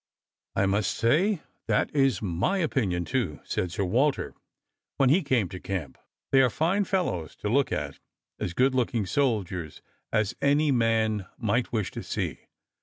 "I must say that is my opinion, too," said Sir Walter, when he came to camp. "They are fine fellows to look at as good looking soldiers as any man might wish to see.